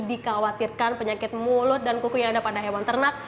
dikhawatirkan penyakit mulut dan kuku yang ada pada hewan ternak